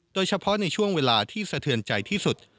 โดยเฉพาะในช่วงเวลาที่สะเทือนใจที่สุด